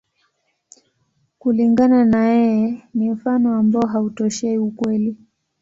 Kulingana na yeye, ni mfano ambao hautoshei ukweli.